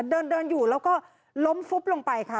เดินอยู่แล้วก็ล้มฟุบลงไปค่ะ